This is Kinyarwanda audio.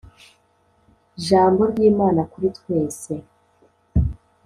jambo ry Imana kuri twese